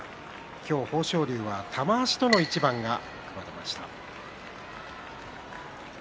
今日、豊昇龍は玉鷲との一番が組まれました。